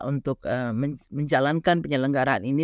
untuk menjalankan penyelenggaraan ini